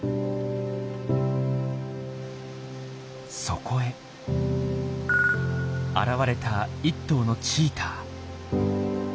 そこへ現れた１頭のチーター。